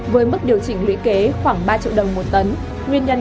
với mức điều chỉnh lưỡi kế khoảng ba triệu đồng một tấn